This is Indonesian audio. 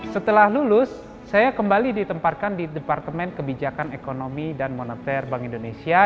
setelah lulus saya kembali ditempatkan di departemen kebijakan ekonomi dan moneter bank indonesia